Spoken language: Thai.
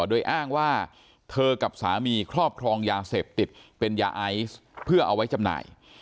โดยอ้างว่าเธอกับสามีครอบครองยาเสพติดเป็นยาไอซ์เพื่อเอาไว้จำหน่าย